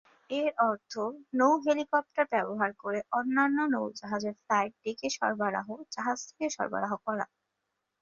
এর অর্থ নৌ-হেলিকপ্টার ব্যবহার করে অন্যান্য নৌ-জাহাজের ফ্লাইট ডেকে সরবরাহ, জাহাজ থেকে সরবরাহ করা।